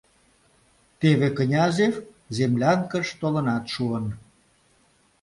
Теве Князев землянкыш толынат шуын.